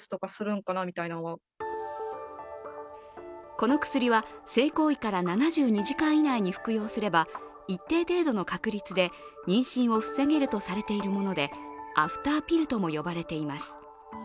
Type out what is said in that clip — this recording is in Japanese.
この薬は性行為から７２時間以内に服用すれば一定程度の確率で妊娠を防げるとされているものでアフターピルとも呼ばれています。